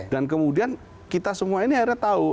dan kemudian kita semua ini akhirnya tahu